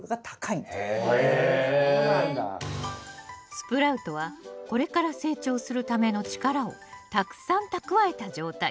スプラウトはこれから成長するための力をたくさん蓄えた状態。